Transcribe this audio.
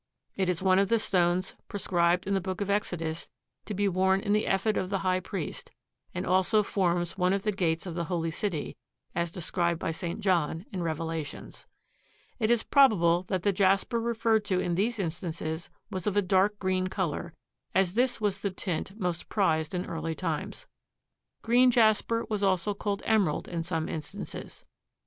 It is one of the stones prescribed in the Book of Exodus to be worn in the ephod of the High Priest and also forms one of the gates of the Holy City as described by St. John in Revelations. It is probable that the jasper referred to in these instances was of a dark green color, as this was the tint most prized in early times. Green jasper was also called emerald in some instances.